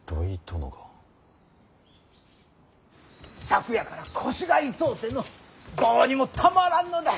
昨夜から腰が痛うてのどうにもたまらんのだ。